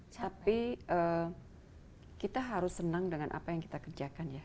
tapi kita harus senang dengan apa yang kita kerjakan ya